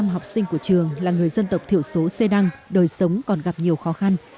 một trăm linh học sinh của trường là người dân tộc thiểu số xê đăng đời sống còn gặp nhiều khó khăn